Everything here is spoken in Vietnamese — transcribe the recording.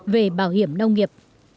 về bảo hiểm nông nghiệp